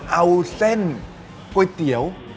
เอาเส้นก๋วยเตี๋ยว